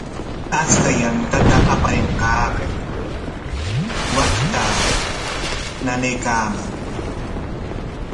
Achka yantata aparinqaapik waqtaa nanaykaaman.